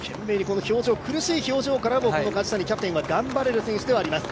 苦しい表情からも梶谷キャプテンは頑張れる選手でもあります。